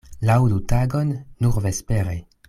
Laŭdu tagon nur vespere.